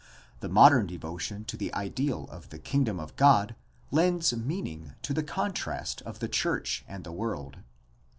The modern devotion to the ideal of the Kingdom of God lends meaning to the contrast of the church and the world.